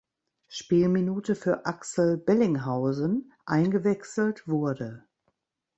Spielminute für Axel Bellinghausen eingewechselt wurde.